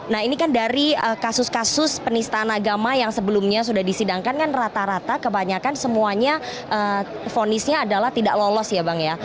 nah ini kan dari kasus kasus penistaan agama yang sebelumnya sudah disidangkan kan rata rata kebanyakan semuanya fonisnya adalah tidak lolos ya bang ya